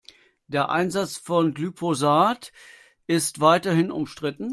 Der Einsatz von Glyphosat ist weiterhin umstritten.